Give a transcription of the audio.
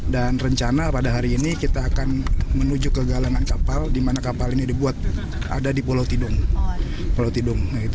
dan rencana pada hari ini kita akan menuju ke galangan kapal di mana kapal ini dibuat ada di pulau tidung